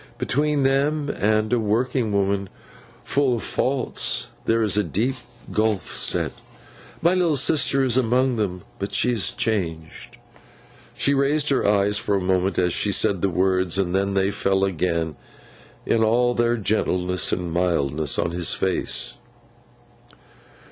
Between them, and a working woman fu' of faults, there is a deep gulf set. My little sister is among them, but she is changed.' She raised her eyes for a moment as she said the words; and then they fell again, in all their gentleness and mildness, on his face.